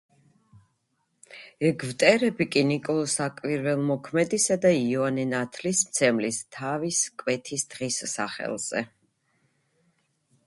ეგვტერები კი ნიკოლოზ საკვირველთმოქმედისა და იოანე ნათლისმცემლის თავის კვეთის დღის სახელზე.